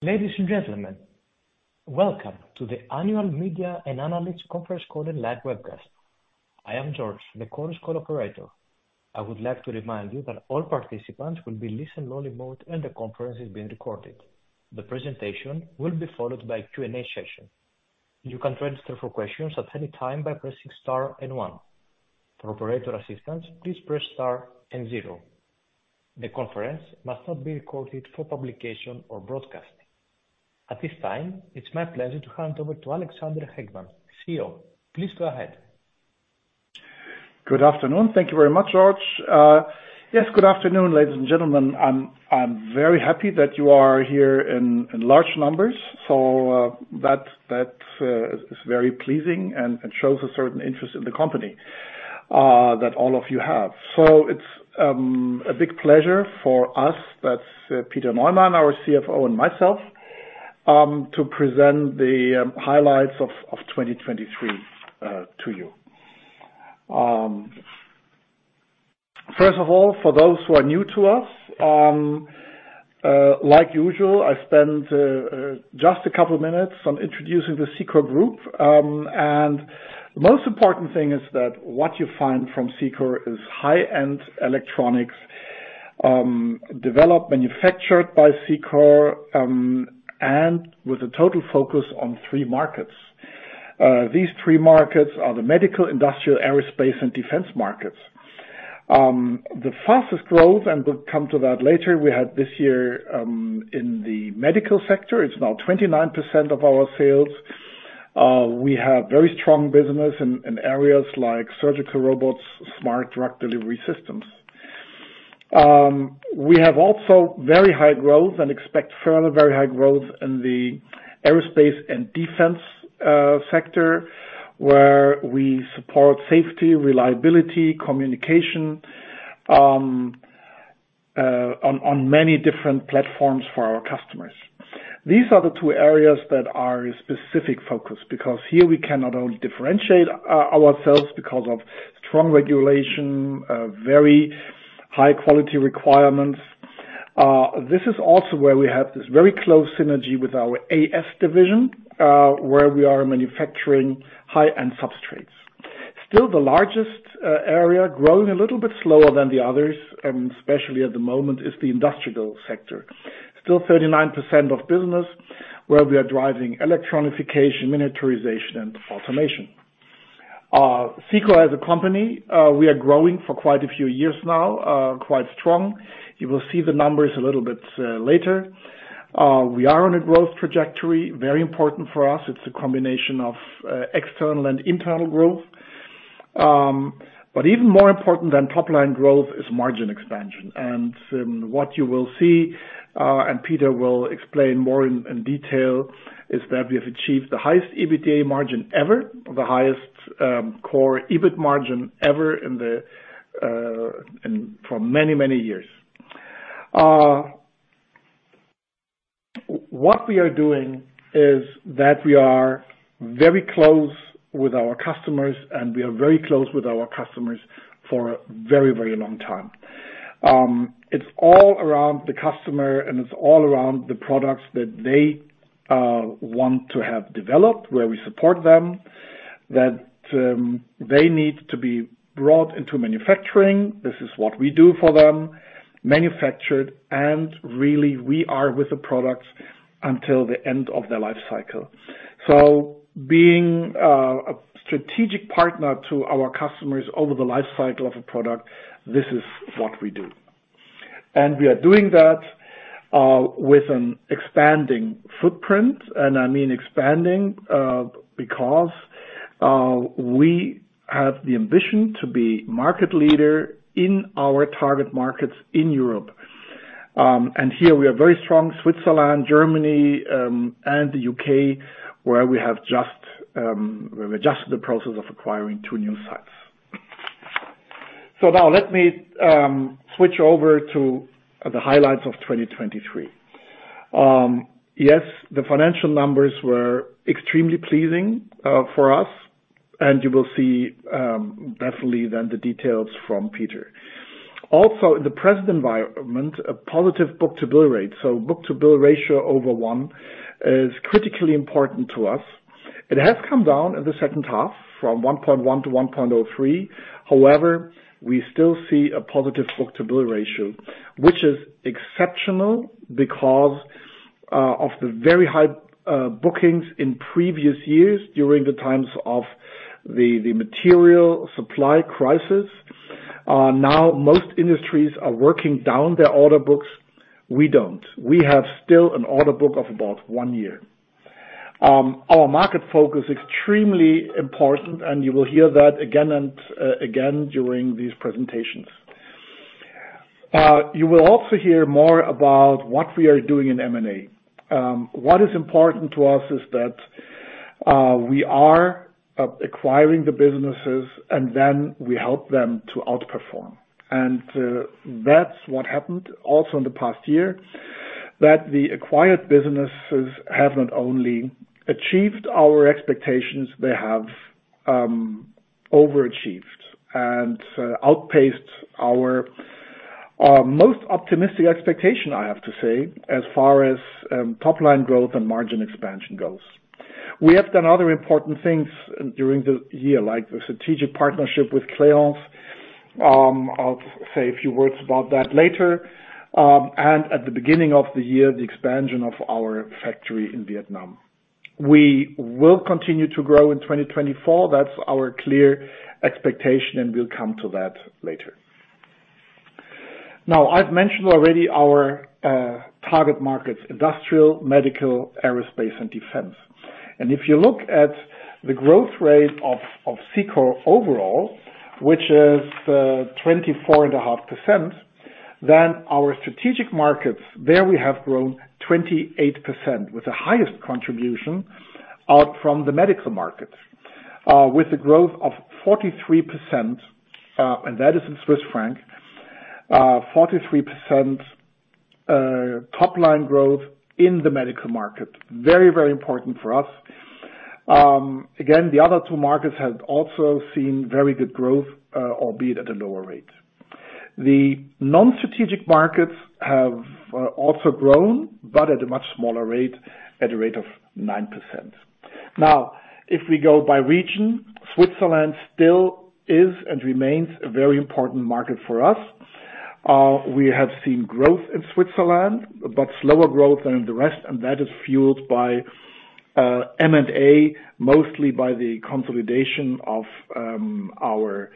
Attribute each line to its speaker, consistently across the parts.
Speaker 1: Ladies and gentlemen, welcome to the Annual Media and Analysts Conference Call and Live Webcast. I am George, the conference call operator. I would like to remind you that all participants will be in listen-only mode, and the conference is being recorded. The presentation will be followed by Q&A session. You can register for questions at any time by pressing star and one. For operator assistance, please press star and zero. The conference must not be recorded for publication or broadcasting. At this time, it's my pleasure to hand over to Alexander Hagemann, CEO. Please go ahead.
Speaker 2: Good afternoon. Thank you very much, George. Yes, good afternoon, ladies and gentlemen. I'm very happy that you are here in large numbers. So that is very pleasing and shows a certain interest in the company that all of you have. So it's a big pleasure for us, that's Peter Neumann, our CFO, and myself, to present the highlights of 2023 to you. First of all, for those who are new to us, like usual, I spend just a couple of minutes on introducing the Cicor Group. And the most important thing is that what you find from Cicor is high-end electronics, developed, manufactured by Cicor, and with a total focus on three markets. These three markets are the medical, industrial, aerospace, and defense markets. The fastest growth, and we'll come to that later, we had this year in the medical sector. It's now 29% of our sales. We have very strong business in areas like surgical robots, smart drug delivery systems. We have also very high growth and expect further very high growth in the aerospace and defense sector, where we support safety, reliability, communication on many different platforms for our customers. These are the two areas that are a specific focus because here we cannot only differentiate ourselves because of strong regulation, very high quality requirements. This is also where we have this very close synergy with our AS division, where we are manufacturing high-end substrates. Still, the largest area, growing a little bit slower than the others, especially at the moment, is the industrial sector. Still 39% of business, where we are driving electronification, miniaturization, and automation. Cicor, as a company, we are growing for quite a few years now, quite strong. You will see the numbers a little bit later. We are on a growth trajectory, very important for us. It's a combination of external and internal growth. But even more important than top-line growth is margin expansion. And what you will see, and Peter will explain more in detail, is that we have achieved the highest EBITDA margin ever, the highest core EBIT margin ever in the in for many, many years. What we are doing is that we are very close with our customers, and we are very close with our customers for a very, very long time. It's all around the customer, and it's all around the products that they want to have developed, where we support them, that they need to be brought into manufacturing. This is what we do for them, manufactured, and really, we are with the products until the end of their life cycle. So being a strategic partner to our customers over the life cycle of a product, this is what we do. We are doing that with an expanding footprint, and I mean expanding, because we have the ambition to be market leader in our target markets in Europe. Here we are very strong, Switzerland, Germany, and the U.K., where we have just we've adjusted the process of acquiring two new sites. Now let me switch over to the highlights of 2023. Yes, the financial numbers were extremely pleasing for us, and you will see definitely then the details from Peter. Also, in the present environment, a positive book-to-bill rate. So book-to-bill ratio over 1 is critically important to us. It has come down in the second half from 1.1 to 1.03. However, we still see a positive book-to-bill ratio, which is exceptional because of the very high bookings in previous years during the times of the material supply crisis. Now, most industries are working down their order books. We don't. We have still an order book of about one year. Our market focus, extremely important, and you will hear that again and again during these presentations. You will also hear more about what we are doing in M&A. What is important to us is that we are acquiring the businesses and then we help them to outperform. That's what happened also in the past year, that the acquired businesses have not only achieved our expectations, they have overachieved and outpaced our, our most optimistic expectation, I have to say, as far as top line growth and margin expansion goes. We have done other important things during the year, like the strategic partnership with Clayens. I'll say a few words about that later, and at the beginning of the year, the expansion of our factory in Vietnam. We will continue to grow in 2024. That's our clear expectation, and we'll come to that later. Now, I've mentioned already our target markets, industrial, medical, aerospace, and defense. If you look at the growth rate of Cicor overall, which is 24.5%, then our strategic markets, there we have grown 28%, with the highest contribution out from the medical market, with a growth of 43%, and that is in Swiss francs. 43% top line growth in the medical market. Very, very important for us. Again, the other two markets have also seen very good growth, albeit at a lower rate. The non-strategic markets have also grown, but at a much smaller rate, at a rate of 9%. Now, if we go by region, Switzerland still is and remains a very important market for us. We have seen growth in Switzerland, but slower growth than the rest, and that is fueled by M&A, mostly by the consolidation of our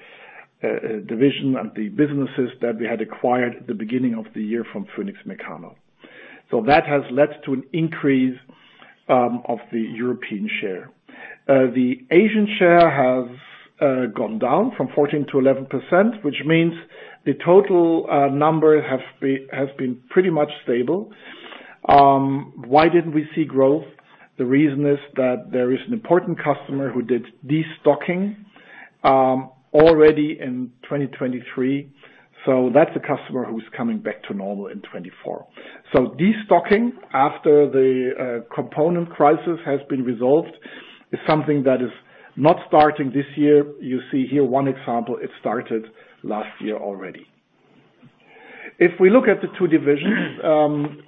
Speaker 2: division and the businesses that we had acquired at the beginning of the year from Phoenix Mecano. So that has led to an increase of the European share. The Asian share has gone down from 14% to 11%, which means the total number has been pretty much stable. Why didn't we see growth? The reason is that there is an important customer who did destocking already in 2023, so that's a customer who's coming back to normal in 2024. So destocking after the component crisis has been resolved is something that is not starting this year. You see here one example, it started last year already. If we look at the two divisions,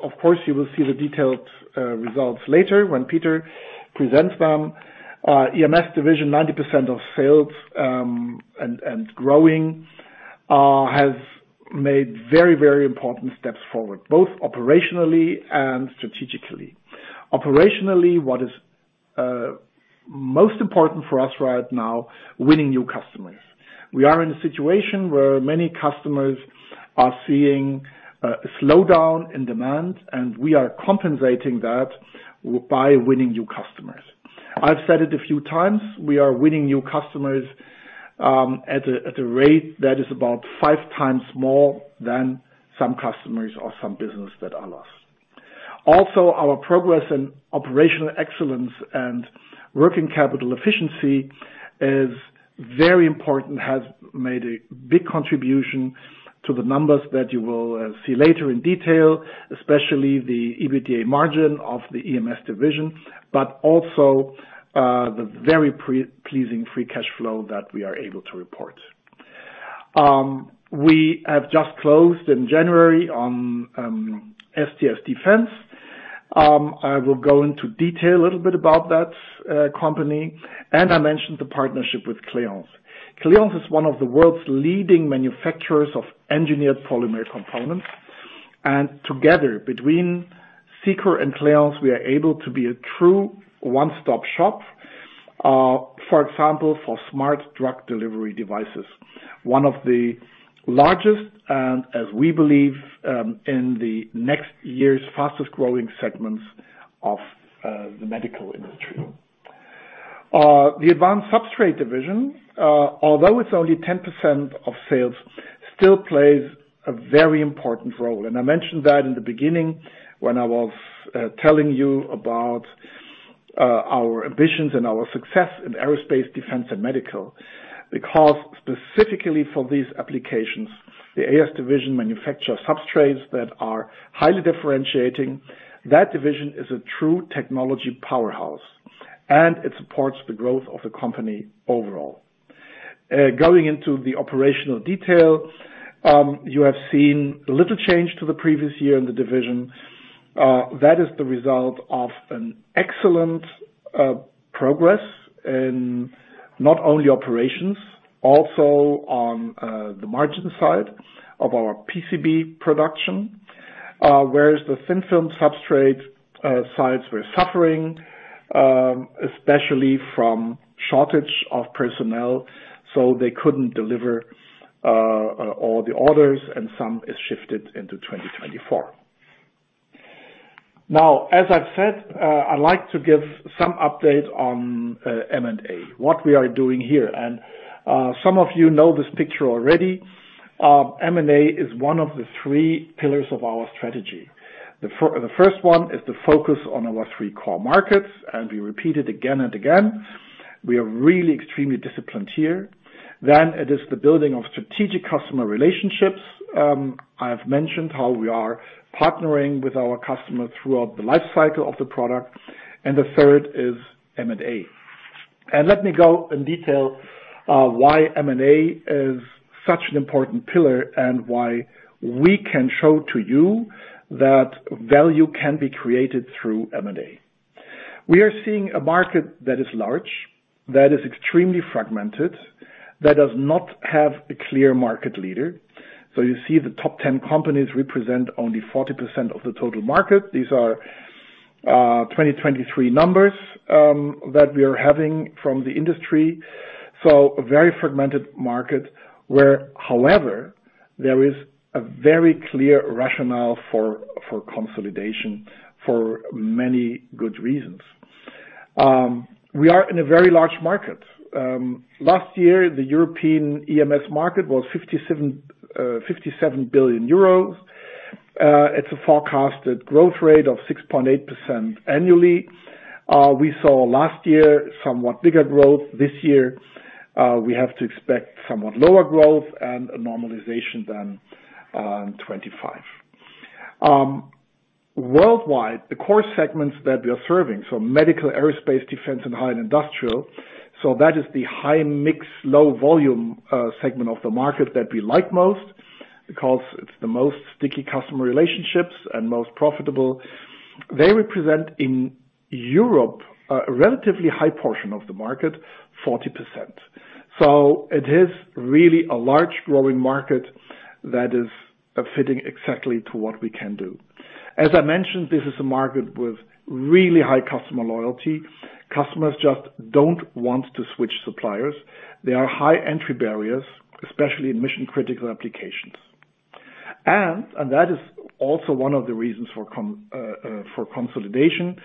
Speaker 2: of course, you will see the detailed results later when Peter presents them. EMS Division, 90% of sales, and growing, has made very, very important steps forward, both operationally and strategically. Operationally, what is most important for us right now, winning new customers. We are in a situation where many customers are seeing a slowdown in demand, and we are compensating that by winning new customers. I've said it a few times, we are winning new customers, at a rate that is about five times more than some customers or some business that are lost. Also, our progress in operational excellence and working capital efficiency is very important, has made a big contribution to the numbers that you will see later in detail, especially the EBITDA margin of the EMS division, but also the very pleasing free cash flow that we are able to report. We have just closed in January on STS Defence. I will go into detail a little bit about that company, and I mentioned the partnership with Clayens. Clayens is one of the world's leading manufacturers of engineered polymer components, and together, between Cicor and Clayens, we are able to be a true one-stop shop, for example, for smart drug delivery devices. One of the largest, and as we believe, in the next year's fastest-growing segments of the medical industry. The Advanced Substrates division, although it's only 10% of sales, still plays a very important role. I mentioned that in the beginning when I was telling you about our ambitions and our success in aerospace, defense, and medical. Because specifically for these applications, the AS division manufactures substrates that are highly differentiating. That division is a true technology powerhouse, and it supports the growth of the company overall. Going into the operational detail, you have seen little change to the previous year in the division. That is the result of an excellent progress in not only operations, also on the margin side of our PCB production, whereas the thin-film substrate sites were suffering, especially from shortage of personnel, so they couldn't deliver all the orders, and some is shifted into 2024. Now, as I've said, I'd like to give some update on, M&A, what we are doing here. And, some of you know this picture already. M&A is one of the three pillars of our strategy. The first one is the focus on our three core markets, and we repeat it again and again. We are really extremely disciplined here. Then it is the building of strategic customer relationships. I have mentioned how we are partnering with our customers throughout the life cycle of the product, and the third is M&A. And let me go in detail, why M&A is such an important pillar and why we can show to you that value can be created through M&A. We are seeing a market that is large, that is extremely fragmented, that does not have a clear market leader. So you see the top 10 companies represent only 40% of the total market. These are 2023 numbers that we are having from the industry. So a very fragmented market, where however, there is a very clear rationale for consolidation for many good reasons. We are in a very large market. Last year, the European EMS market was 57 billion euros. It's a forecasted growth rate of 6.8% annually. We saw last year somewhat bigger growth. This year we have to expect somewhat lower growth and a normalization than 2025. Worldwide, the core segments that we are serving, so medical, aerospace, defense, and high industrial, so that is the high mix, low volume segment of the market that we like most because it's the most sticky customer relationships and most profitable. They represent in Europe a relatively high portion of the market, 40%. So it is really a large growing market that is fitting exactly to what we can do. As I mentioned, this is a market with really high customer loyalty. Customers just don't want to switch suppliers. There are high entry barriers, especially in mission-critical applications. And that is also one of the reasons for consolidation.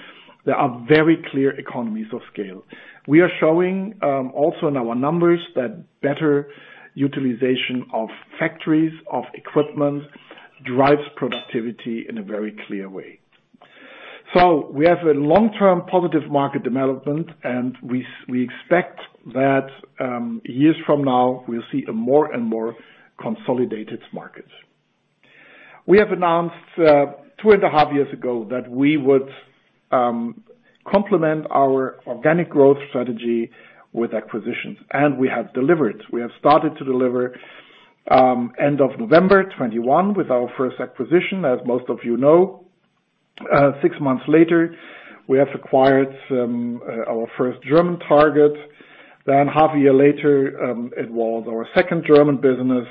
Speaker 2: There are very clear economies of scale. We are showing, also in our numbers, that better utilization of factories, of equipment, drives productivity in a very clear way. So we have a long-term positive market development, and we expect that, years from now, we'll see a more and more consolidated market. We have announced 2.5 years ago that we would complement our organic growth strategy with acquisitions, and we have delivered. We have started to deliver end of November 2021 with our first acquisition, as most of you know. Six months later, we have acquired our first German target. Then half a year later, it was our second German business.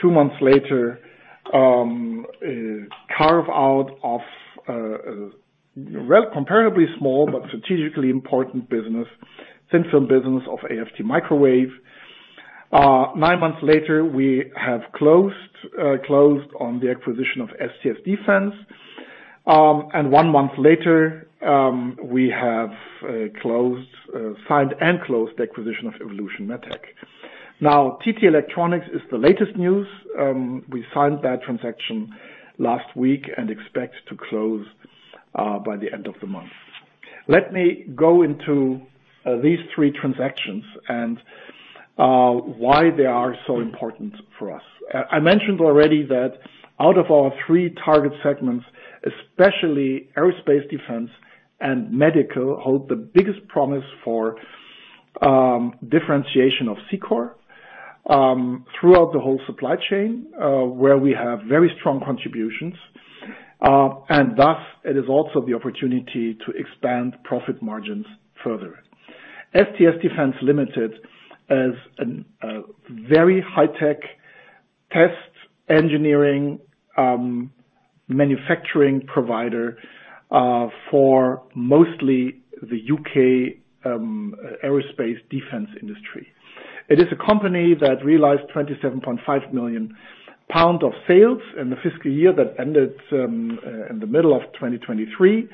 Speaker 2: Two months later, a carve out of a well, comparably small but strategically important business, thin-film business of AFT Microwave. Nine months later, we have closed on the acquisition of STS Defence. And 1 month later, we have signed and closed the acquisition of Evolution MedTec. Now, TT Electronics is the latest news. We signed that transaction last week and expect to close by the end of the month. Let me go into these three transactions and why they are so important for us. I mentioned already that out of our three target segments, especially aerospace, defense, and medical, hold the biggest promise for differentiation of Cicor throughout the whole supply chain where we have very strong contributions. And thus, it is also the opportunity to expand profit margins further. STS Defence Limited is a very high tech test engineering manufacturing provider for mostly the U.K. aerospace defense industry. It is a company that realized 27.5 million pounds of sales in the fiscal year that ended in the middle of 2023,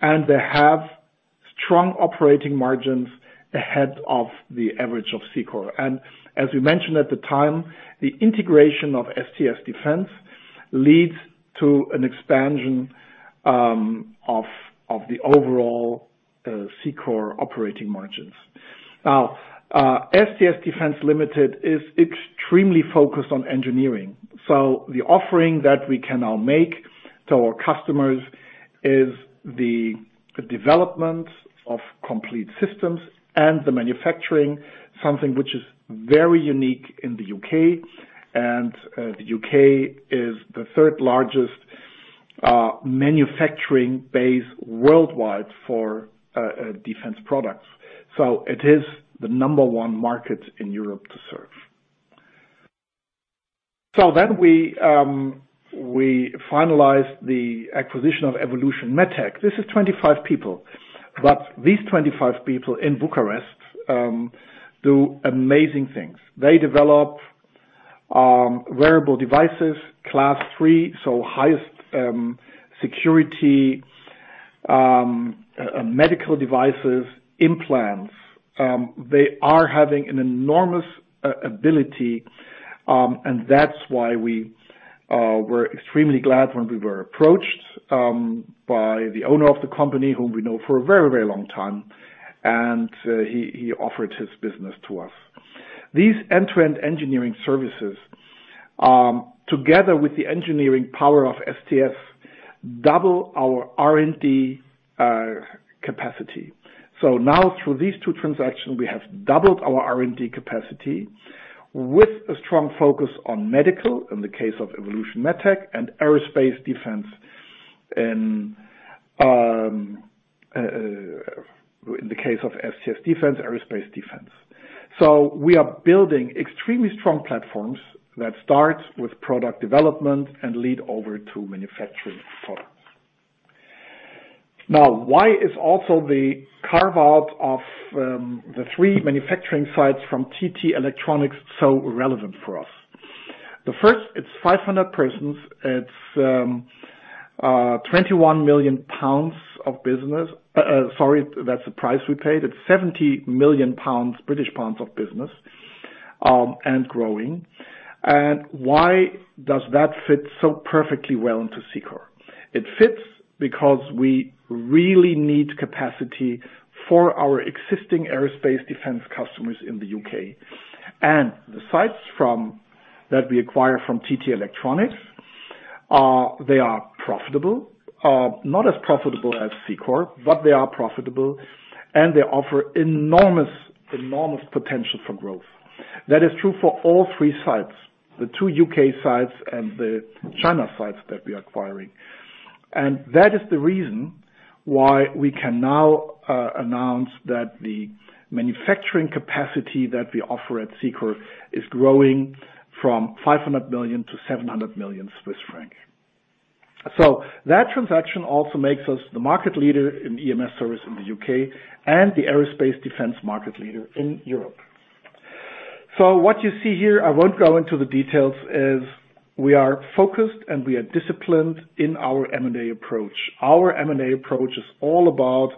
Speaker 2: and they have strong operating margins ahead of the average of Cicor. And as we mentioned at the time, the integration of STS Defence leads to an expansion of the overall Cicor operating margins. Now, STS Defence Limited is extremely focused on engineering, so the offering that we can now make to our customers is the development of complete systems and the manufacturing, something which is very unique in the U.K., and the U.K. is the third largest manufacturing base worldwide for defense products. So it is the number one market in Europe to serve. So then we finalized the acquisition of Evolution MedTec. This is 25 people, but these 25 people in Bucharest do amazing things. They develop wearable devices, Class III, so highest security medical devices, implants. They are having an enormous ability-... And that's why we were extremely glad when we were approached by the owner of the company, whom we know for a very, very long time, and he, he offered his business to us. These end-to-end engineering services together with the engineering power of STS double our R&D capacity. So now through these two transactions, we have doubled our R&D capacity with a strong focus on medical, in the case of Evolution MedTec, and aerospace defense in the case of STS Defence, aerospace defense. So we are building extremely strong platforms that start with product development and lead over to manufacturing products. Now, why is also the carve out of the three manufacturing sites from TT Electronics so relevant for us? The first, it's 500 persons, it's 21 million pounds of business. Sorry, that's the price we paid. It's 70 million pounds, British pounds, of business, and growing. Why does that fit so perfectly well into Cicor? It fits because we really need capacity for our existing aerospace defense customers in the U.K. The sites that we acquire from TT Electronics, they are profitable. Not as profitable as Cicor, but they are profitable, and they offer enormous, enormous potential for growth. That is true for all three sites, the two U.K. sites and the China sites that we are acquiring. That is the reason why we can now announce that the manufacturing capacity that we offer at Cicor is growing from 500 million CHF to 700 million Swiss francs. So that transaction also makes us the market leader in EMS service in the U.K. and the aerospace defense market leader in Europe. So what you see here, I won't go into the details, is we are focused and we are disciplined in our M&A approach. Our M&A approach is all about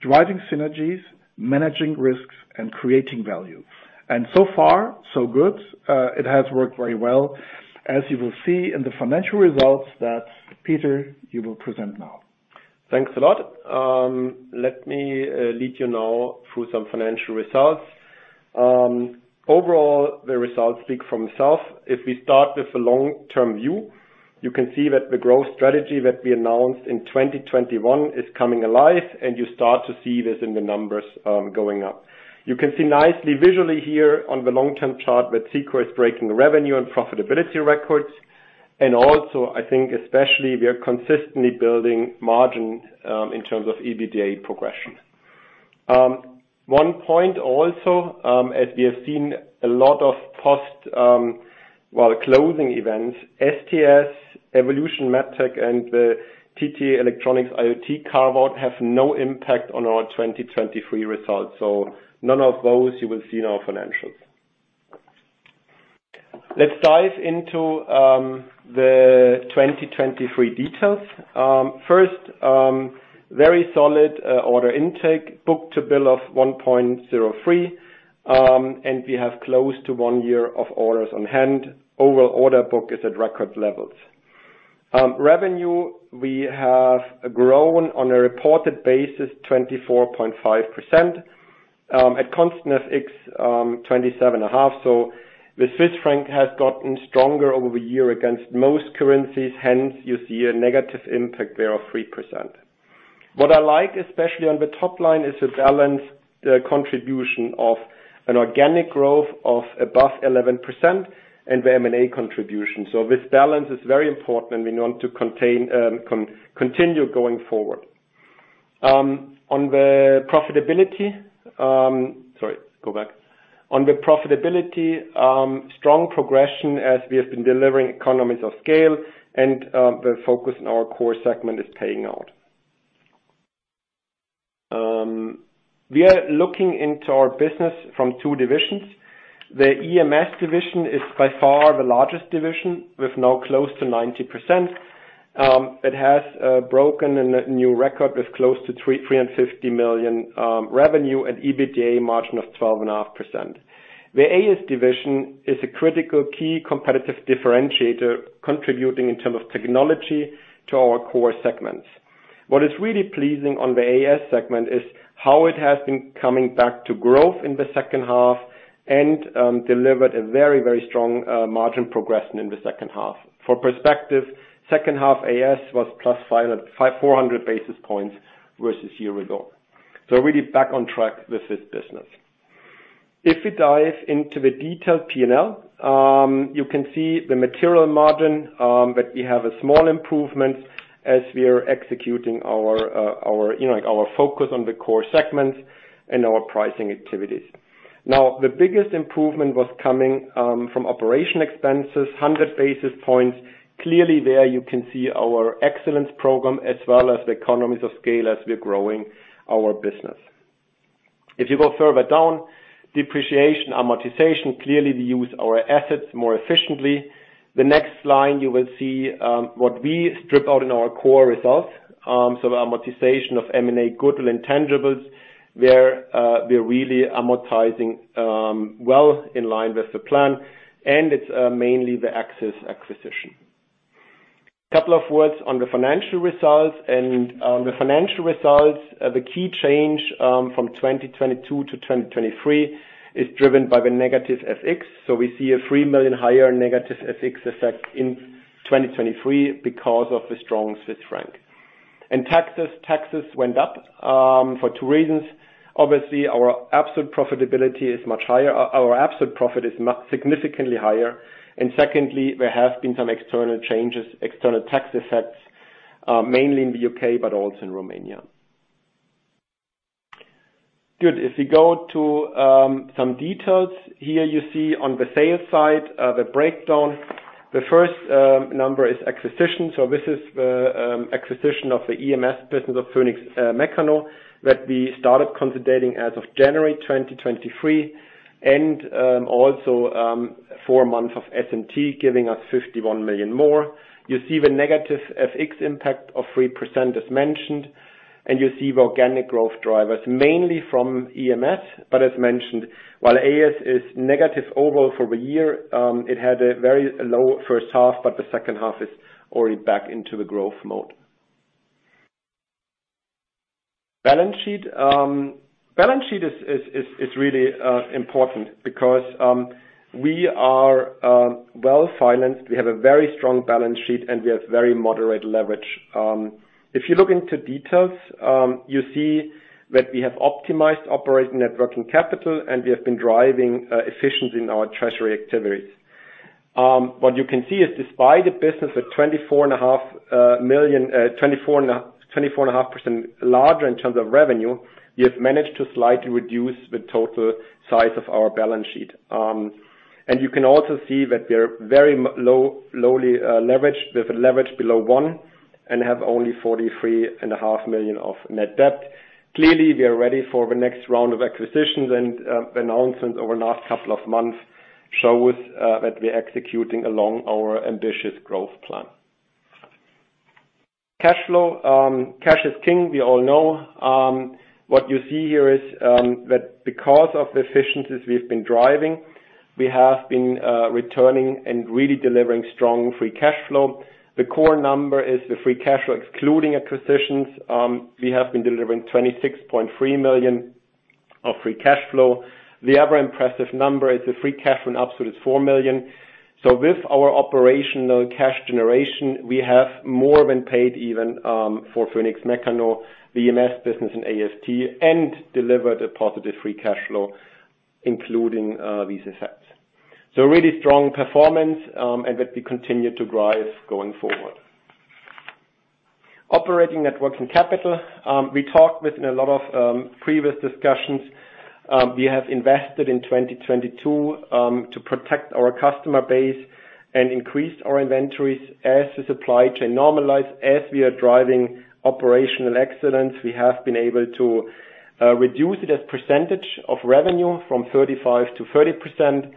Speaker 2: driving synergies, managing risks, and creating value. So far, so good. It has worked very well, as you will see in the financial results that, Peter, you will present now.
Speaker 3: Thanks a lot. Let me lead you now through some financial results. Overall, the results speak for themselves. If we start with a long-term view, you can see that the growth strategy that we announced in 2021 is coming alive, and you start to see this in the numbers going up. You can see nicely visually here on the long-term chart that Cicor is breaking revenue and profitability records, and also, I think especially, we are consistently building margin in terms of EBITDA progression. One point also, as we have seen a lot of post-closing events, STS, Evolution MedTec, and the TT Electronics IoT carve-out have no impact on our 2023 results. So none of those you will see in our financials. Let's dive into the 2023 details. First, very solid order intake, book-to-bill of 1.03, and we have close to one year of orders on hand. Overall, order book is at record levels. Revenue, we have grown on a reported basis, 24.5%, at constant FX, 27.5. So the Swiss franc has gotten stronger over the year against most currencies, hence you see a negative impact there of 3%. What I like, especially on the top line, is the balance contribution of an organic growth of above 11% and the M&A contribution. So this balance is very important, and we want to continue going forward. On the profitability... Sorry, go back. On the profitability, strong progression as we have been delivering economies of scale and, the focus in our core segment is paying out. We are looking into our business from two divisions. The EMS division is by far the largest division, with now close to 90%. It has broken a new record with close to 350 million revenue and EBITDA margin of 12.5%. The AS division is a critical key competitive differentiator, contributing in terms of technology to our core segments. What is really pleasing on the AS segment is how it has been coming back to growth in the second half and, delivered a very, very strong, margin progression in the second half. For perspective, second half AS was plus 554 basis points versus year ago. So really back on track with this business. If we dive into the detailed P&L, you can see the material margin, but we have a small improvement as we are executing our you know our focus on the core segments and our pricing activities. Now, the biggest improvement was coming from operating expenses, 100 basis points. Clearly, there you can see our excellence program as well as the economies of scale as we're growing our business. If you go further down, depreciation, amortization, clearly, we use our assets more efficiently. The next line, you will see what we strip out in our core results, so the amortization of M&A goodwill intangibles, where we're really amortizing well in line with the plan, and it's mainly the Axis acquisition. couple of words on the financial results, and on the financial results, the key change from 2022 to 2023 is driven by the negative FX. So we see a 3 million higher negative FX effect in 2023 because of the strong Swiss franc. And taxes, taxes went up for two reasons. Obviously, our absolute profitability is much higher. Our absolute profit is significantly higher, and secondly, there have been some external changes, external tax effects, mainly in the U.K., but also in Romania. Good. If you go to some details, here you see on the sales side the breakdown. The first number is acquisition. So this is the acquisition of the EMS business of Phoenix Mecano that we started consolidating as of January 2023, and also four months of SMT, giving us 51 million more. You see the negative FX impact of 3% as mentioned, and you see the organic growth drivers, mainly from EMS, but as mentioned, while AS is negative overall for the year, it had a very low first half, but the second half is already back into the growth mode. Balance sheet is really important because we are well-financed. We have a very strong balance sheet, and we have very moderate leverage. If you look into details, you see that we have optimized operating net working capital, and we have been driving efficiency in our treasury activities. What you can see is despite the business 24.5% larger in terms of revenue, we have managed to slightly reduce the total size of our balance sheet. And you can also see that we're very lowly leveraged, with a leverage below one, and have only 43.5 million of net debt. Clearly, we are ready for the next round of acquisitions, and the announcements over the last couple of months shows that we're executing along our ambitious growth plan. Cash flow, cash is king, we all know. What you see here is that because of the efficiencies we've been driving, we have been returning and really delivering strong free cash flow. The core number is the free cash flow, excluding acquisitions. We have been delivering 26.3 million of free cash flow. The other impressive number is the free cash flow absolute is 4 million. So with our operational cash generation, we have more than paid even for Phoenix Mecano, the EMS business and AS, and delivered a positive free cash flow, including these effects. So really strong performance, and that we continue to drive going forward. Operating net working capital, we talked with in a lot of previous discussions. We have invested in 2022 to protect our customer base and increased our inventories as the supply chain normalize. As we are driving operational excellence, we have been able to reduce it as percentage of revenue from 35% to 30%.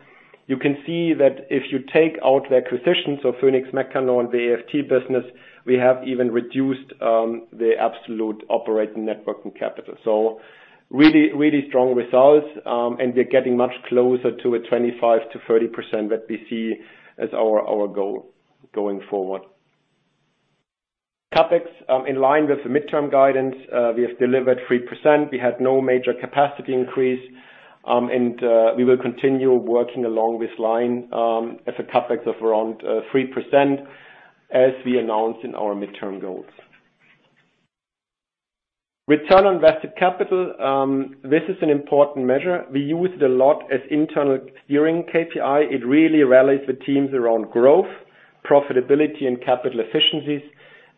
Speaker 3: You can see that if you take out the acquisitions of Phoenix Mecano and the AFT business, we have even reduced the absolute operating net working capital. So really, really strong results, and we're getting much closer to a 25%-30% that we see as our, our goal going forward. CapEx in line with the midterm guidance, we have delivered 3%. We had no major capacity increase, and we will continue working along this line at a CapEx of around 3%, as we announced in our midterm goals. Return on invested capital, this is an important measure. We use it a lot as internal gearing KPI. It really rallies the teams around growth, profitability, and capital efficiencies,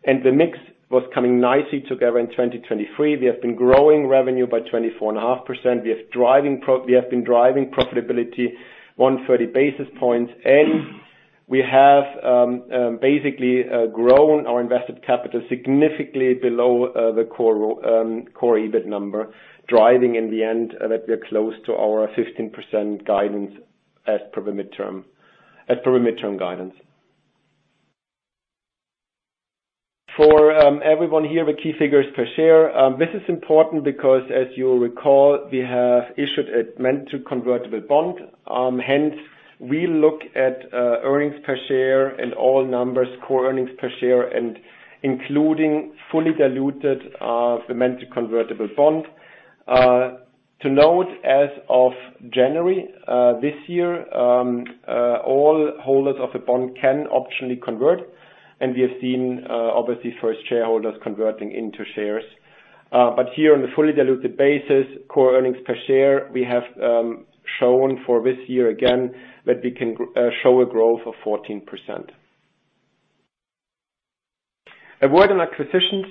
Speaker 3: and the mix was coming nicely together in 2023. We have been growing revenue by 24.5%. We have been driving profitability 130 basis points, and we have basically grown our invested capital significantly below the core EBIT number, driving in the end that we're close to our 15% guidance as per the midterm guidance. For everyone here, the key figures per share. This is important because, as you'll recall, we have issued a mandatory convertible bond. Hence, we look at earnings per share and all numbers, core earnings per share, and including fully diluted the mandatory convertible bond. To note, as of January this year, all holders of the bond can optionally convert, and we have seen obviously first shareholders converting into shares. But here on the fully diluted basis, core earnings per share, we have shown for this year again, that we can show a growth of 14%. A word on acquisitions.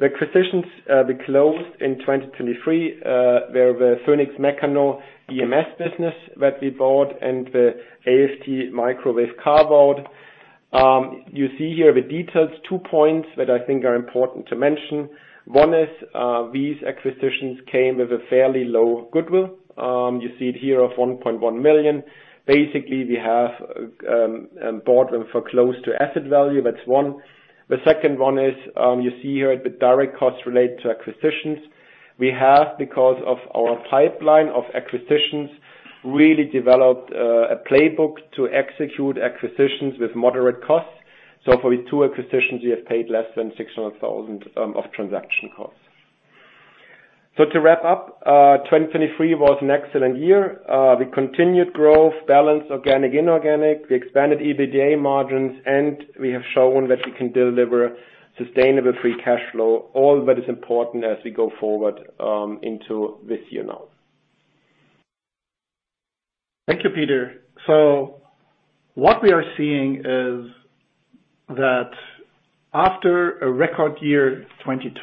Speaker 3: The acquisitions we closed in 2023 were the Phoenix Mecano EMS business that we bought and the AFT Microwave. You see here the details, two points that I think are important to mention. One is, these acquisitions came with a fairly low goodwill. You see it here of 1.1 million. Basically, we have bought them for close to asset value, that's one. The second one is, you see here the direct costs related to acquisitions. We have, because of our pipeline of acquisitions, really developed a playbook to execute acquisitions with moderate costs. So for the two acquisitions, we have paid less than 600,000 of transaction costs. To wrap up, 2023 was an excellent year. We continued growth, balanced organic, inorganic, we expanded EBITDA margins, and we have shown that we can deliver sustainable free cash flow, all that is important as we go forward, into this year now.
Speaker 2: Thank you, Peter. So what we are seeing is that after a record year, 2022,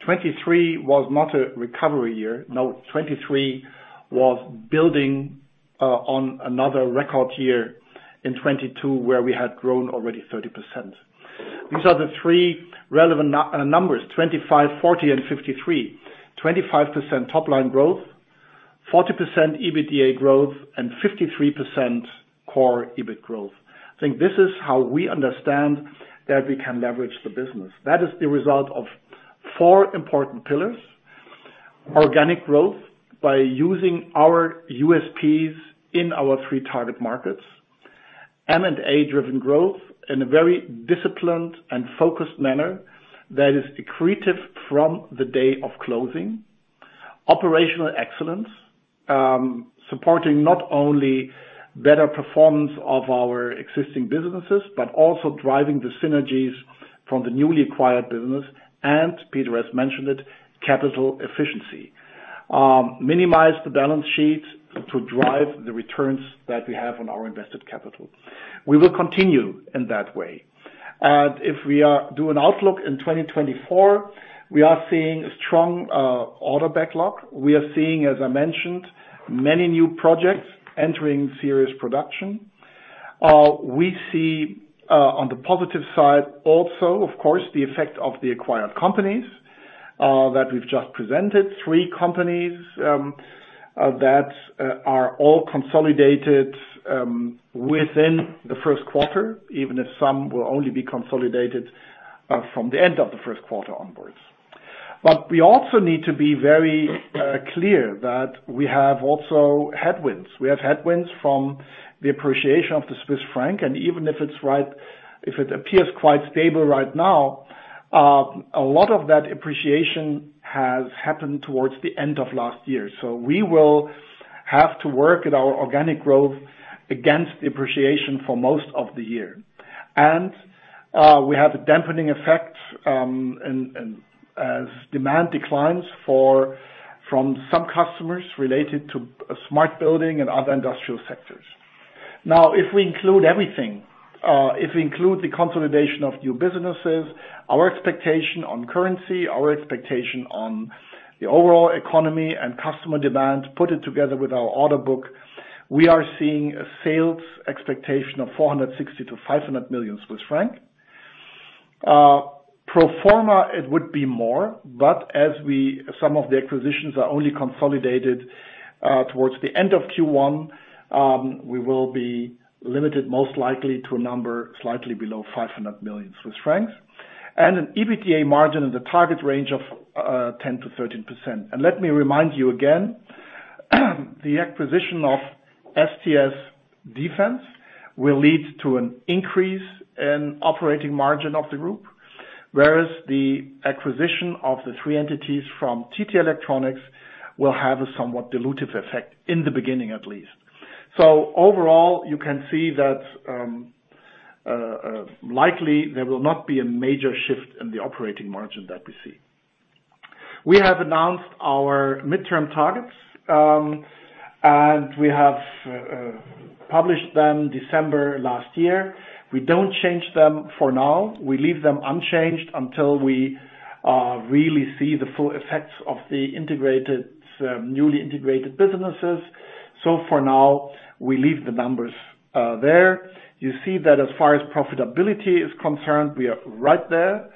Speaker 2: 2023 was not a recovery year, no, 2023 was building on another record year in 2022, where we had grown already 30%. These are the three relevant numbers: 25, 40, and 53. 25% top line growth, 40% EBITDA growth, and 53% core EBIT growth. I think this is how we understand that we can leverage the business. That is the result of four important pillars: organic growth by using our USPs in our three target markets, M&A-driven growth in a very disciplined and focused manner that is accretive from the day of closing, operational excellence supporting not only better performance of our existing businesses, but also driving the synergies from the newly acquired business, and Peter has mentioned it, capital efficiency. Minimize the balance sheet to drive the returns that we have on our invested capital. We will continue in that way. If we are to do an outlook in 2024, we are seeing a strong order backlog. We are seeing, as I mentioned, many new projects entering serious production. We see on the positive side also, of course, the effect of the acquired companies that we've just presented, three companies that are all consolidated within the first quarter, even if some will only be consolidated from the end of the first quarter onwards. But we also need to be very clear that we have also headwinds. We have headwinds from the appreciation of the Swiss franc, and even if it's right, if it appears quite stable right now, a lot of that appreciation has happened towards the end of last year. So we will have to work at our organic growth against the appreciation for most of the year. And we have a dampening effect, and as demand declines from some customers related to smart building and other industrial sectors. Now, if we include everything, if we include the consolidation of new businesses, our expectation on currency, our expectation on the overall economy and customer demand, put it together with our order book, we are seeing a sales expectation of 460 million-500 million Swiss franc. Pro forma, it would be more, but as some of the acquisitions are only consolidated towards the end of Q1, we will be limited, most likely, to a number slightly below 500 million Swiss francs, and an EBITDA margin in the target range of 10%-13%. And let me remind you again, the acquisition of STS Defence will lead to an increase in operating margin of the group, whereas the acquisition of the three entities from TT Electronics will have a somewhat dilutive effect in the beginning, at least. So overall, you can see that, likely, there will not be a major shift in the operating margin that we see. We have announced our midterm targets, and we have published them December last year. We don't change them for now. We leave them unchanged until we really see the full effects of the integrated, newly integrated businesses. So for now, we leave the numbers there. You see that as far as profitability is concerned, we are right there.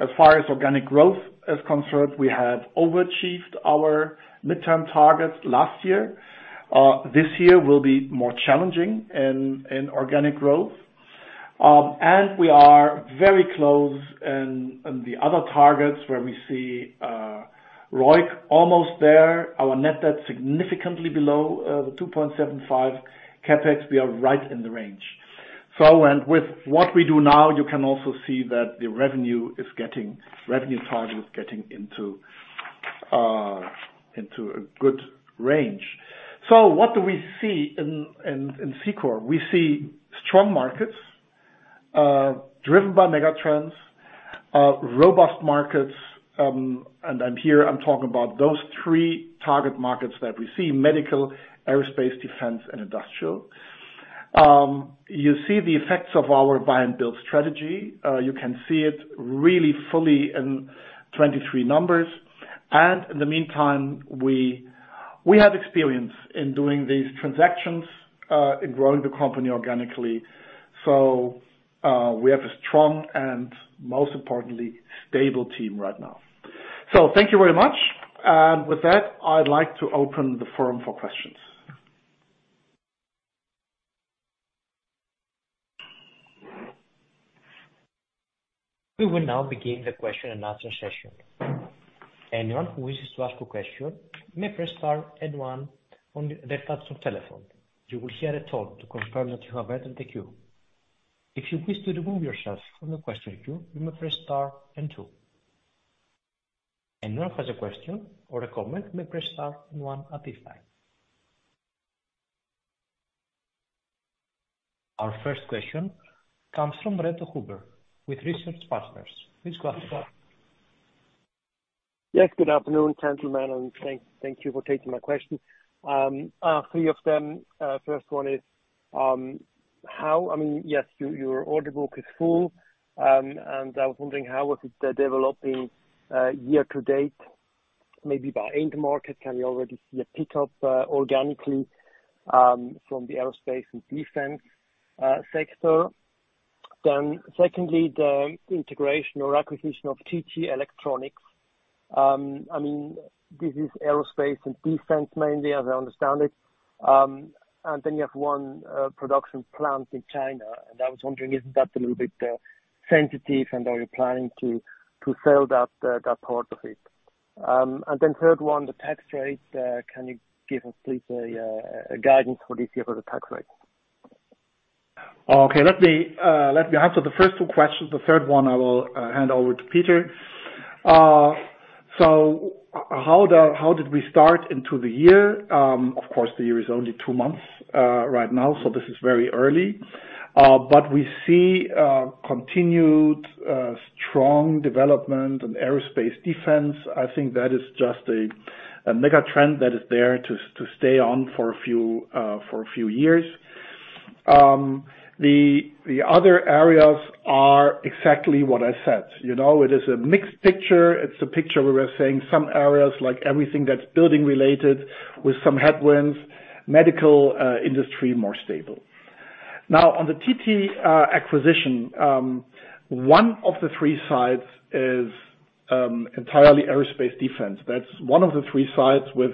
Speaker 2: As far as organic growth is concerned, we have overachieved our midterm targets last year. This year will be more challenging in organic growth. And we are very close in the other targets where we see ROIC almost there, our net debt significantly below the 2.75 CapEx, we are right in the range. So and with what we do now, you can also see that the revenue is getting, revenue target is getting into a good range. So what do we see in Cicor? We see strong markets, driven by megatrends, robust markets, and I'm here, I'm talking about those three target markets that we see, medical, aerospace, defense, and industrial. You see the effects of our buy and build strategy. You can see it really fully in 2023 numbers, and in the meantime, we have experience in doing these transactions, in growing the company organically. So, we have a strong and most importantly, stable team right now. So thank you very much, and with that, I'd like to open the forum for questions.
Speaker 1: We will now begin the question and answer session. Anyone who wishes to ask a question, may press star and one on the touch tone telephone. You will hear a tone to confirm that you have entered the queue. If you wish to remove yourself from the question queue, you may press star and two. Anyone who has a question or a comment, may press star and one at this time. Our first question comes from Reto Huber with Research Partners. Please go ahead.
Speaker 4: Yes, good afternoon, gentlemen, and thank, thank you for taking my question. I have three of them. First one is, I mean, yes, your, your order book is full, and I was wondering how was it developing, year to date, maybe by end market? Can you already see a pickup, organically, from the aerospace and defense sector? Then secondly, the integration or acquisition of TT Electronics. I mean, this is aerospace and defense mainly, as I understand it. And then you have one production plant in China, and I was wondering, isn't that a little bit sensitive, and are you planning to, to sell that part of it? And then third one, the tax rate, can you give us please, a guidance for this year for the tax rate?
Speaker 2: Okay, let me, let me answer the first two questions. The third one I will, hand over to Peter. So how did we start into the year? Of course, the year is only two months right now, so this is very early. But we see continued strong development in aerospace defense. I think that is just a mega trend that is there to stay on for a few years. The other areas are exactly what I said, you know, it is a mixed picture. It's a picture where we're saying some areas, like everything that's building related, with some headwinds, medical industry, more stable. Now, on the TT acquisition, one of the three sites is entirely aerospace defense. That's one of the three sites with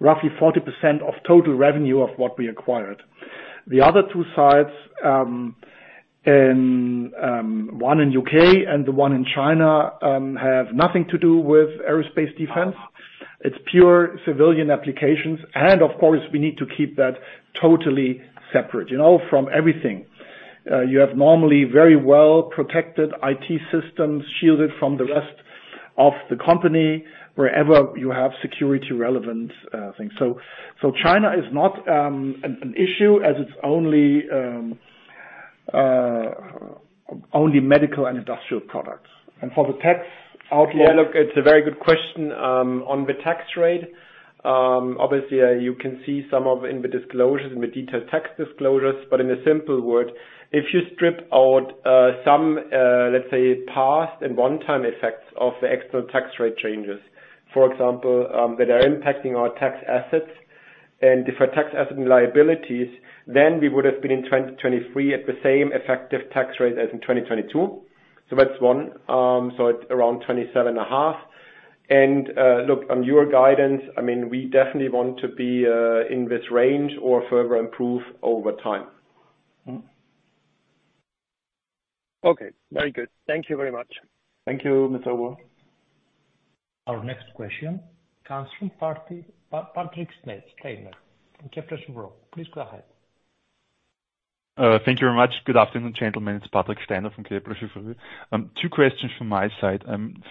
Speaker 2: roughly 40% of total revenue of what we acquired. The other two sites, in one in U.K. and the one in China, have nothing to do with aerospace defense. It's pure civilian applications, and of course, we need to keep that totally separate, you know, from everything. You have normally very well-protected IT systems, shielded from the rest of the company, wherever you have security relevant things. So China is not an issue as it's only medical and industrial products. And for the tax outlook-
Speaker 3: Yeah, look, it's a very good question, on the tax rate. Obviously, you can see some of in the disclosures, in the detailed tax disclosures, but in a simple word, if you strip out, some, let's say, past and one-time effects of the external tax rate changes, for example, that are impacting our tax assets and different tax asset and liabilities, then we would have been in 2023 at the same effective tax rate as in 2022. So that's one, so it's around 27.5%. And, look, on your guidance, I mean, we definitely want to be, in this range or further improve over time.
Speaker 4: Okay, very good. Thank you very much.
Speaker 3: Thank you, Mr. Huber.
Speaker 1: Our next question comes from Patrick Steiner from Kepler Cheuvreux. Please go ahead.
Speaker 5: Thank you very much. Good afternoon, gentlemen. It's Patrick Steiner from Kepler Cheuvreux. Two questions from my side.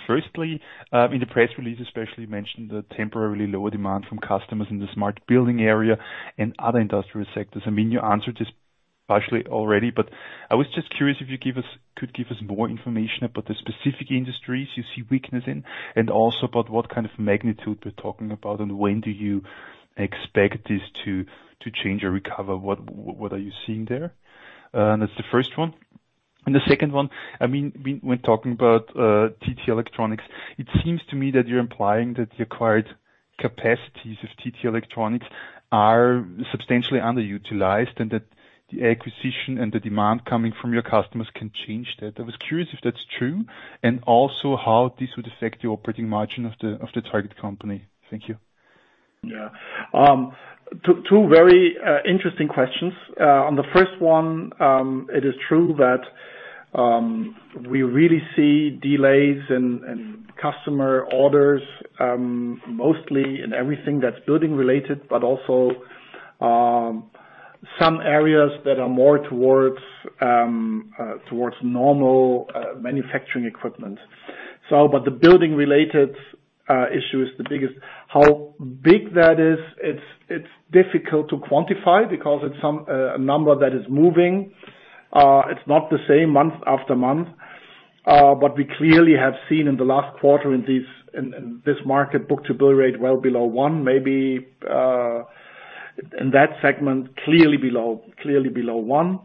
Speaker 5: Firstly, in the press release, especially, you mentioned the temporarily lower demand from customers in the smart building area and other industrial sectors. I mean, you answered this partially already, but I was just curious if you give us-- could give us more information about the specific industries you see weakness in, and also about what kind of magnitude we're talking about, and when do you expect this to, to change or recover? What are you seeing there? That's the first one. And the second one, I mean, when talking about TT Electronics, it seems to me that you're implying that the acquired capacities of TT Electronics are substantially underutilized, and that the acquisition and the demand coming from your customers can change that. I was curious if that's true, and also how this would affect the operating margin of the target company. Thank you.
Speaker 2: Yeah. Two very interesting questions. On the first one, it is true that we really see delays in customer orders, mostly in everything that's building-related, but also some areas that are more towards normal manufacturing equipment. But the building-related issue is the biggest. How big that is, it's difficult to quantify because it's a number that is moving. It's not the same month after month, but we clearly have seen in the last quarter in this market, book-to-bill rate well below one, maybe in that segment, clearly below one.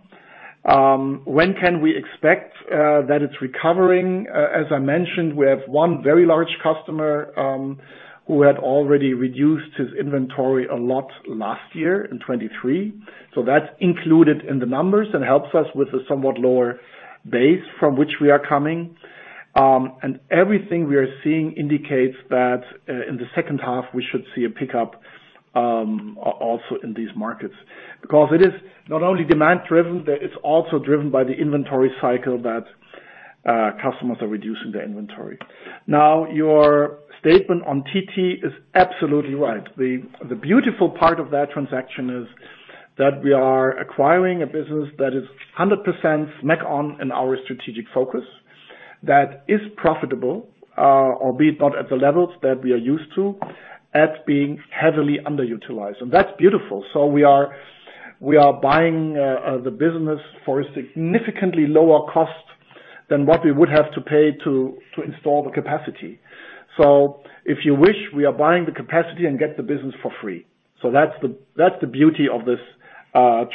Speaker 2: When can we expect that it's recovering? As I mentioned, we have one very large customer who had already reduced his inventory a lot last year in 2023. So that's included in the numbers and helps us with a somewhat lower base from which we are coming. And everything we are seeing indicates that, in the second half, we should see a pickup, also in these markets. Because it is not only demand-driven, but it's also driven by the inventory cycle that, customers are reducing their inventory. Now, your statement on TT is absolutely right. The beautiful part of that transaction is that we are acquiring a business that is 100% smack on in our strategic focus, that is profitable, albeit not at the levels that we are used to, and being heavily underutilized, and that's beautiful. So we are buying the business for a significantly lower cost than what we would have to pay to install the capacity. So if you wish, we are buying the capacity and get the business for free. So that's the, that's the beauty of this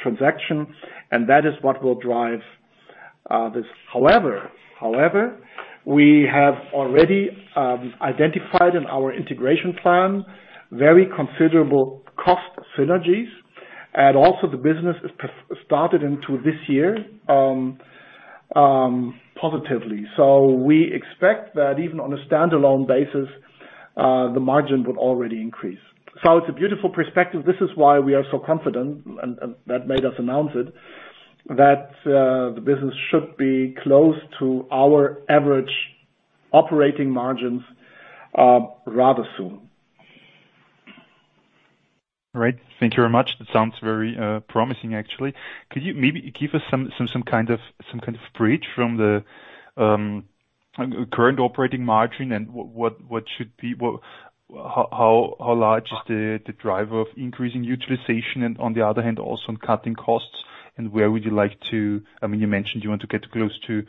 Speaker 2: transaction, and that is what will drive this. However, however, we have already identified in our integration plan very considerable cost synergies, and also the business is started into this year positively. So we expect that even on a standalone basis, the margin would already increase. So it's a beautiful perspective. This is why we are so confident, and, and that made us announce it, that the business should be close to our average operating margins rather soon.
Speaker 5: All right. Thank you very much. That sounds very promising, actually. Could you maybe give us some kind of bridge from the current operating margin and what should be how large is the driver of increasing utilization? And on the other hand, also on cutting costs, and where would you like to... I mean, you mentioned you want to get close to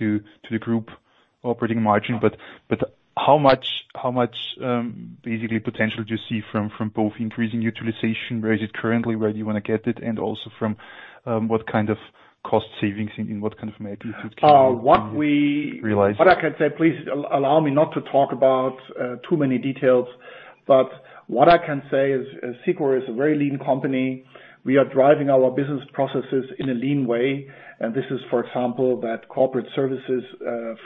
Speaker 5: the group operating margin, but how much basically potential do you see from both increasing utilization? Where is it currently, where do you want to get it, and also from what kind of cost savings and in what kind of magnitude can you-
Speaker 2: What we-
Speaker 5: Realize?
Speaker 2: What I can say, please allow me not to talk about too many details, but what I can say is, Cicor is a very lean company. We are driving our business processes in a lean way, and this is, for example, that corporate services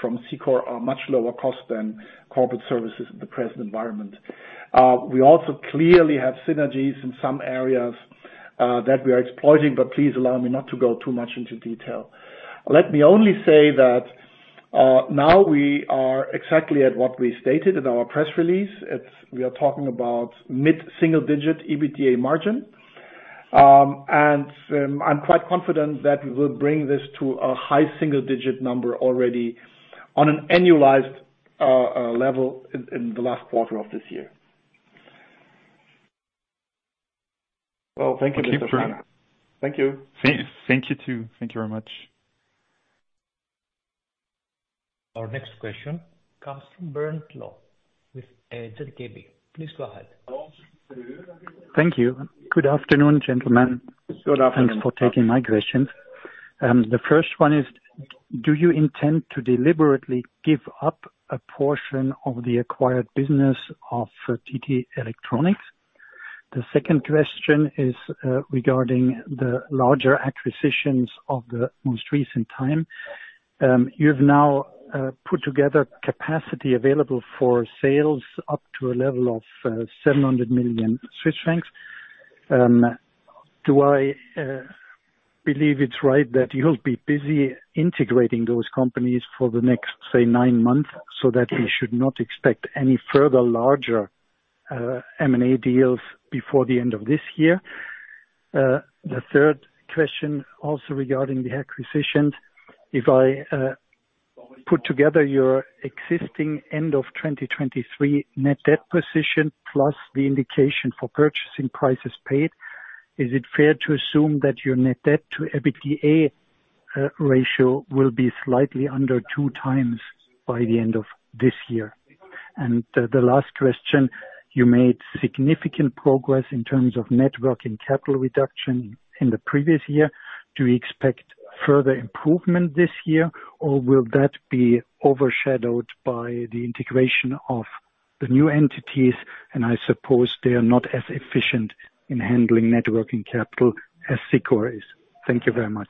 Speaker 2: from Cicor are much lower cost than corporate services in the present environment. We also clearly have synergies in some areas that we are exploiting, but please allow me not to go too much into detail. Let me only say that, now we are exactly at what we stated in our press release. It's. We are talking about mid-single digit EBITDA margin. And, I'm quite confident that we will bring this to a high single digit number already on an annualized level in the last quarter of this year. Well, thank you, Mr. Frank.
Speaker 5: Thank you.
Speaker 2: Thank you.
Speaker 5: Thank you, too. Thank you very much.
Speaker 1: Our next question comes from Bernd Laux with ZKB. Please go ahead.
Speaker 6: Thank you. Good afternoon, gentlemen.
Speaker 2: Good afternoon.
Speaker 6: Thanks for taking my questions. The first one is, do you intend to deliberately give up a portion of the acquired business of, TT Electronics? The second question is, regarding the larger acquisitions of the most recent time. You've now put together capacity available for sales up to a level of 700 million Swiss francs. Do I believe it's right that you'll be busy integrating those companies for the next, say, 9 months, so that we should not expect any further larger M&A deals before the end of this year? The third question, also regarding the acquisitions: If I put together your existing end of 2023 net debt position, plus the indication for purchasing prices paid, is it fair to assume that your net debt to EBITDA ratio will be slightly under 2x by the end of this year? And the last question, you made significant progress in terms of net working capital reduction in the previous year. Do you expect further improvement this year, or will that be overshadowed by the integration of the new entities? And I suppose they are not as efficient in handling net working capital as Cicor is. Thank you very much.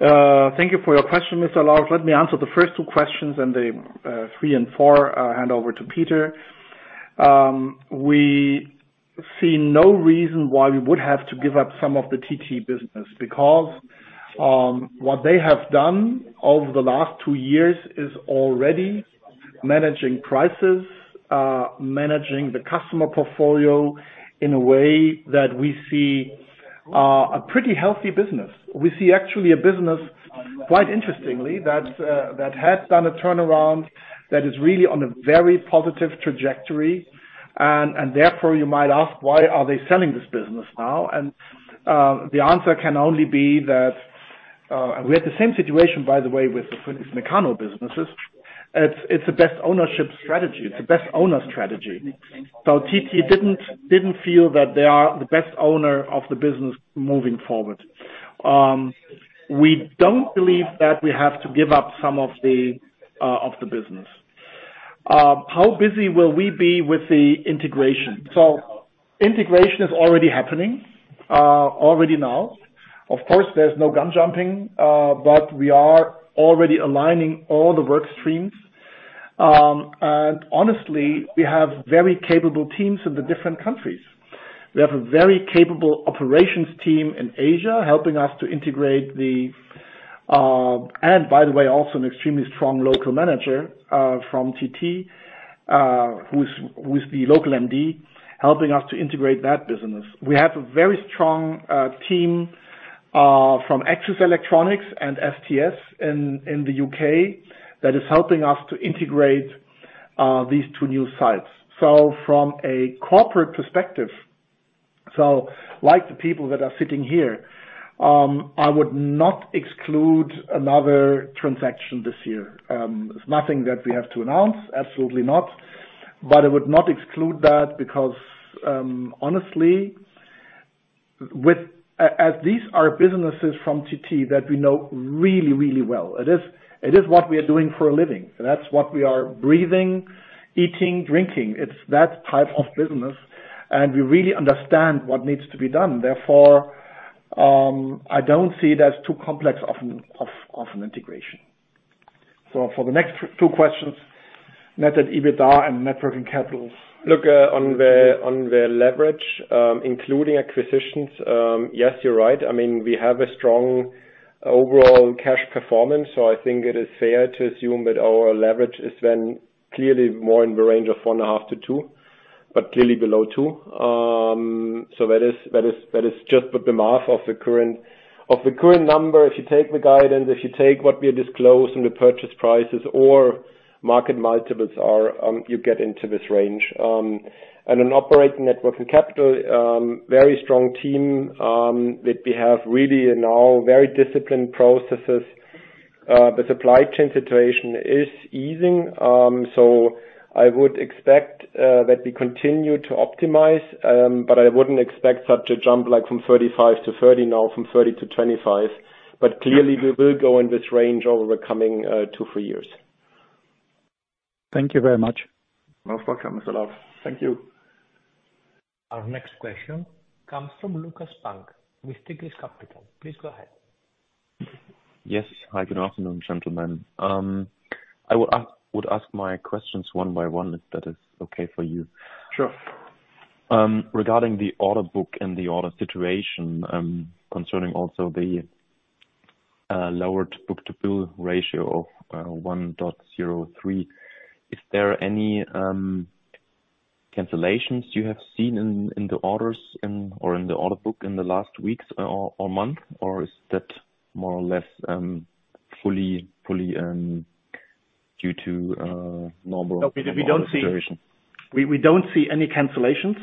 Speaker 2: Thank you for your question, Mr. Laux. Let me answer the first 2 questions, and the 3 and 4, I'll hand over to Peter. We see no reason why we would have to give up some of the TT business, because what they have done over the last 2 years is already managing prices, managing the customer portfolio in a way that we see a pretty healthy business. We see actually a business, quite interestingly, that has done a turnaround, that is really on a very positive trajectory. And therefore, you might ask, why are they selling this business now? And the answer can only be that, and we had the same situation, by the way, with the Mecano businesses. It's the best ownership strategy. It's the best owner strategy. So TT didn't feel that they are the best owner of the business moving forward. We don't believe that we have to give up some of the business. How busy will we be with the integration? So integration is already happening, already now. Of course, there's no gun jumping, but we are already aligning all the work streams. And honestly, we have very capable teams in the different countries. We have a very capable operations team in Asia, helping us to integrate the - and by the way, also an extremely strong local manager from TT, who's the local MD, helping us to integrate that business. We have a very strong team from Axis Electronics and STS in the U.K., that is helping us to integrate these two new sites. So from a corporate perspective, so like the people that are sitting here, I would not exclude another transaction this year. There's nothing that we have to announce, absolutely not. But I would not exclude that because, honestly, as these are businesses from TT that we know really, really well. It is, it is what we are doing for a living, and that's what we are breathing, eating, drinking. It's that type of business, and we really understand what needs to be done. Therefore, I don't see that as too complex of an integration. So for the next two questions, net and EBITDA and net working capital.
Speaker 3: Look, on the leverage, including acquisitions, yes, you're right. I mean, we have a strong overall cash performance, so I think it is fair to assume that our leverage is then clearly more in the range of 1.5-2, but clearly below 2. So that is just the math of the current number. If you take the guidance, if you take what we disclose in the purchase prices or market multiples are, you get into this range. And in operating net working capital, very strong team, that we have really now very disciplined processes. The supply chain situation is easing, so I would expect that we continue to optimize, but I wouldn't expect such a jump like from 35 to 30 now, from 30 to 25. But clearly, we will go in this range over the coming 2, 3 years.
Speaker 6: Thank you very much.
Speaker 3: You're welcome, Sir Laux. Thank you.
Speaker 1: Our next question comes from Lukas Spang with Tigris Capital. Please go ahead.
Speaker 7: Yes. Hi, good afternoon, gentlemen. I would ask my questions one by one, if that is okay for you?
Speaker 2: Sure.
Speaker 7: Regarding the order book and the order situation, concerning also the lowered book-to-bill ratio of 1.03, is there any cancellations you have seen in the orders or in the order book in the last weeks or month? Or is that more or less fully due to normal order situation?
Speaker 2: We don't see any cancellations,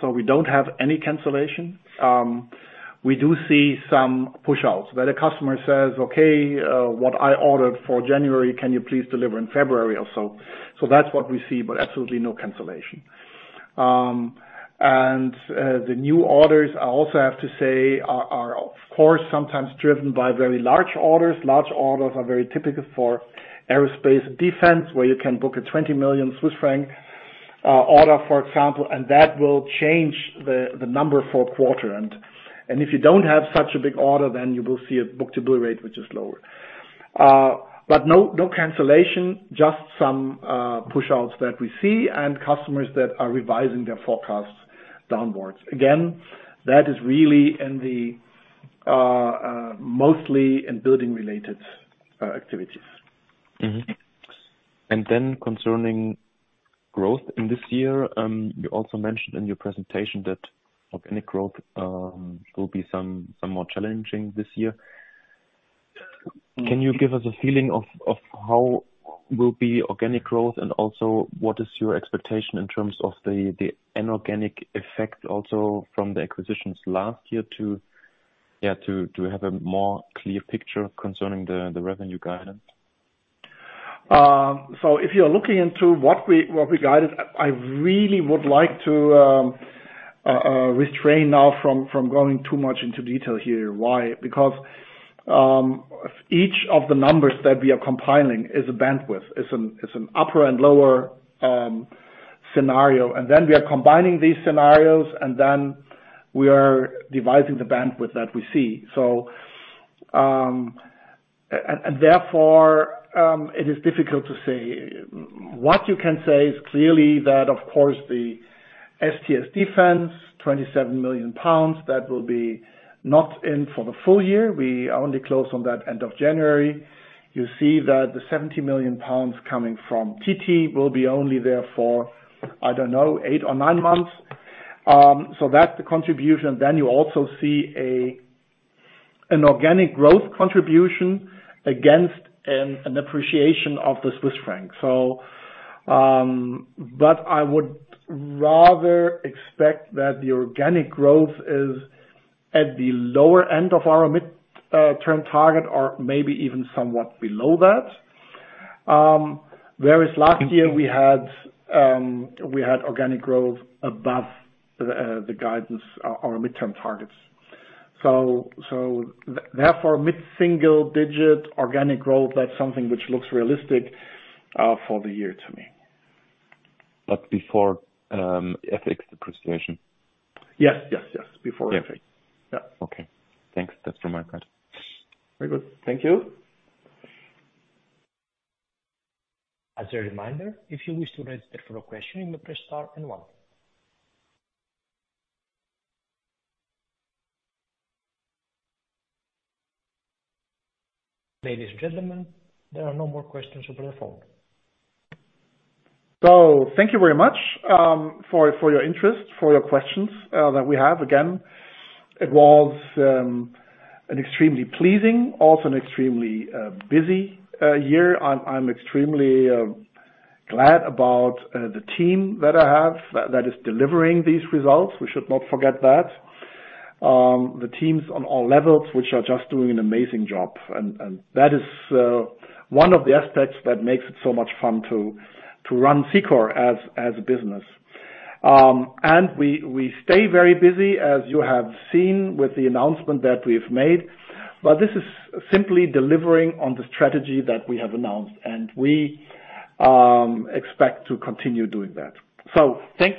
Speaker 2: so we don't have any cancellation. We do see some push outs, where the customer says, "Okay, what I ordered for January, can you please deliver in February or so?" So that's what we see, but absolutely no cancellation. And the new orders, I also have to say, are of course sometimes driven by very large orders. Large orders are very typical for aerospace defense, where you can book a 20 million Swiss franc order, for example, and that will change the number for a quarter. And if you don't have such a big order, then you will see a book-to-bill rate, which is lower. But no cancellation, just some push outs that we see and customers that are revising their forecasts downwards. Again, that is really in the mostly in building-related activities.
Speaker 7: Mm-hmm. And then concerning growth in this year, you also mentioned in your presentation that organic growth will be some more challenging this year.
Speaker 2: Mm-hmm.
Speaker 7: Can you give us a feeling of how will be organic growth, and also, what is your expectation in terms of the inorganic effect also from the acquisitions last year to... Yeah, to have a more clear picture concerning the revenue guidance?
Speaker 2: So if you are looking into what we, what we guided, I really would like to refrain now from going too much into detail here. Why? Because each of the numbers that we are compiling is a bandwidth. It's an upper and lower scenario, and then we are combining these scenarios, and then we are deriving the bandwidth that we see. So, and therefore, it is difficult to say. What you can say is clearly that, of course, the STS Defence, 27 million pounds, that will be not in for the full year. We only closed on that end of January. You see that the 70 million pounds coming from TT will be only there for, I don't know, eight or nine months. So that's the contribution. Then you also see an organic growth contribution against an appreciation of the Swiss franc. But I would rather expect that the organic growth is at the lower end of our mid-term target, or maybe even somewhat below that. Whereas last year we had organic growth above the guidance, our midterm targets. So therefore, mid-single digit organic growth, that's something which looks realistic for the year to me.
Speaker 7: But before, FX depreciation?
Speaker 2: Yes, yes, yes. Before FX.
Speaker 7: Yeah.
Speaker 2: Yeah.
Speaker 7: Okay. Thanks. That's from my side.
Speaker 2: Very good. Thank you.
Speaker 1: As a reminder, if you wish to register for a question, you may press star and one. Ladies and gentlemen, there are no more questions on the phone.
Speaker 2: So thank you very much for your interest, for your questions that we have. Again, it was an extremely pleasing, also an extremely busy year. I'm extremely glad about the team that I have that is delivering these results. We should not forget that. The teams on all levels, which are just doing an amazing job, and that is one of the aspects that makes it so much fun to run Cicor as a business. And we stay very busy, as you have seen with the announcement that we've made, but this is simply delivering on the strategy that we have announced, and we expect to continue doing that. So thank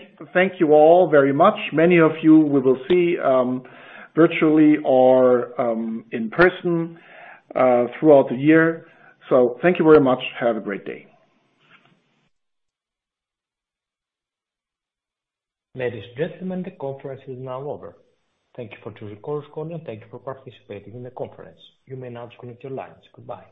Speaker 2: you all very much. Many of you we will see virtually or in person throughout the year. Thank you very much. Have a great day.
Speaker 1: Ladies and gentlemen, the conference is now over. Thank you for choosing Chorus Call, and thank you for participating in the conference. You may now disconnect your lines. Goodbye.